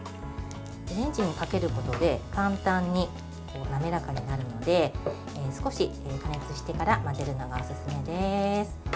レンジにかけることで簡単に滑らかになるので少し加熱してから混ぜるのがおすすめです。